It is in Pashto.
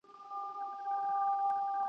سوداګر به یو له چین تر سمرقنده ..